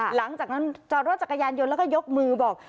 หลังจากนั้นจอดรถจักรยานยนต์แล้วก็ยกมือบอก